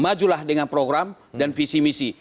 majulah dengan program dan visi misi